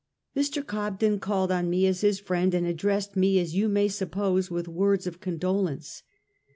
Mr. Cobden called on me as his friend and addressed me, as you may suppose, ■with words of condolence.